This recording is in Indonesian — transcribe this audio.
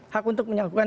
hak untuk menyelidikan